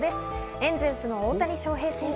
エンゼルスの大谷翔平選手。